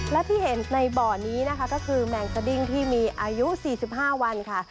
และที่เห็นในบ่อนี้นะคะก็คือแมงสดิ้งที่มีอายุ๔๕วันค่ะ